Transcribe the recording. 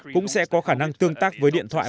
cũng sẽ có khả năng tương tác với điện thoại